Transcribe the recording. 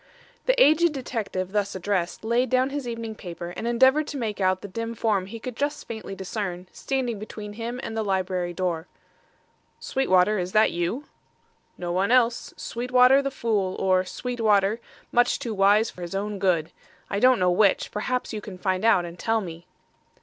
The aged detective, thus addressed, laid down his evening paper and endeavoured to make out the dim form he could just faintly discern standing between him and the library door. "Sweetwater, is that you?" "No one else. Sweetwater, the fool, or Sweetwater, much too wise for his own good. I don't know which. Perhaps you can find out and tell me."